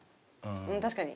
確かに。